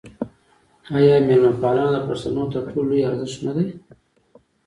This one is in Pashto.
آیا میلمه پالنه د پښتنو تر ټولو لوی ارزښت نه دی؟